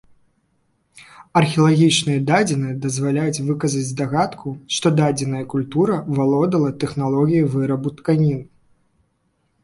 Археалагічныя дадзеныя дазваляюць выказаць здагадку, што дадзеная культура валодала тэхналогіяй вырабу тканін.